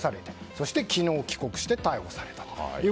そして昨日帰国して逮捕されたと。